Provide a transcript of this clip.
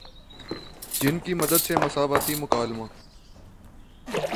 جن کی مدد سے مساواتی مکالمہ